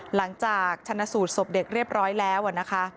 หลังจากชนะสูตรศพเด็กเรียบร้อยแล้วนะคะ